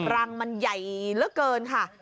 รังมันใหญ่เหลือเกินค่ะ